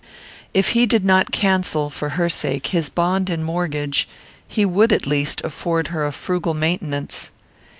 If he did not cancel, for her sake, his bond and mortgage, he would, at least, afford her a frugal maintenance.